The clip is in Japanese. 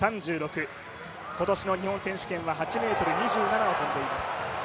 今年の日本選手権は８ｍ２７を跳んでいます。